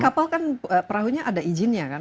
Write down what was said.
kapal kan perahunya ada izinnya kan